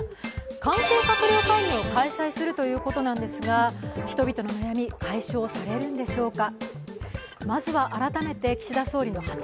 関係閣僚会議を開催するということですが、人々の悩み、解消されるんでしょうか。